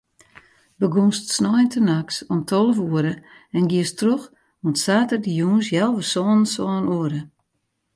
Begûnst sneintenachts om tolve oere en giest troch oant saterdeitejûns healwei sânen, sân oere.